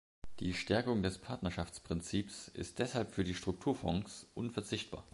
Die Stärkung des Partnerschaftsprinzips ist deshalb für die Strukturfonds unverzichtbar.